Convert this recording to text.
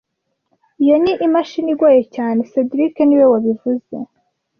Iyo ni imashini igoye cyane cedric niwe wabivuze